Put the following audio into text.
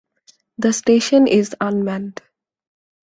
The station is unmanned.